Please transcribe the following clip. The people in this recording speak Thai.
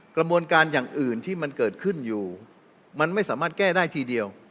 กระบวนการอย่างอื่นที่มันเกิดขึ้นอยู่มันไม่สามารถแก้ได้ทีเดียว